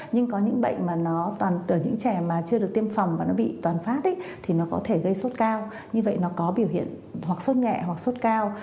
nhưng có những trẻ mà chưa được tiêm phòng và nó bị toàn phát thì nó có thể gây sốt cao như vậy nó có biểu hiện hoặc sốt nhẹ hoặc sốt cao